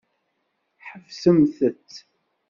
Ḥebsemt-t.